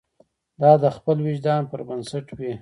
دا د خپل وجدان پر بنسټ وي.